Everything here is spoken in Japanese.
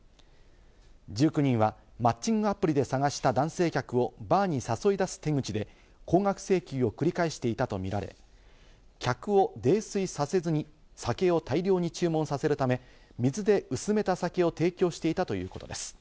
１９人はマッチングアプリで探した男性客をバーに誘い出す手口で、高額請求を繰り返していたとみられ、客を泥酔させずに酒を大量に注文させるため、水で薄めた酒を提供していたという事です。